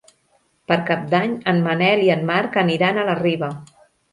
Per Cap d'Any en Manel i en Marc aniran a la Riba.